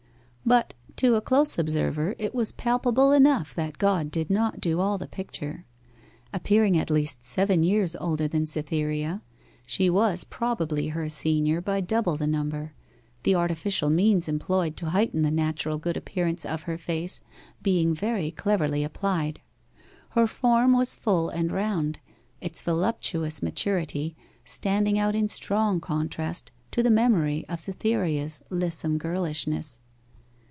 But to a close observer it was palpable enough that God did not do all the picture. Appearing at least seven years older than Cytherea, she was probably her senior by double the number, the artificial means employed to heighten the natural good appearance of her face being very cleverly applied. Her form was full and round, its voluptuous maturity standing out in strong contrast to the memory of Cytherea's lissom girlishness.